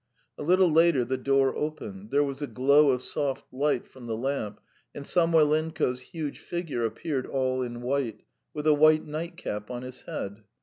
A little later the door opened; there was a glow of soft light from the lamp, and Samoylenko's huge figure appeared all in white, with a white nightcap on his head.